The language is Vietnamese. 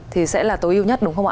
thì sẽ là tối ưu nhất đúng không ạ